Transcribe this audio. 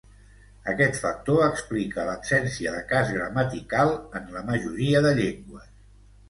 Aquest factor explica l'absència de cas gramatical en la majoria de llengües.